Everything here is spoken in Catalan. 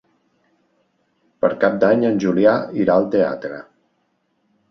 Per Cap d'Any en Julià irà al teatre.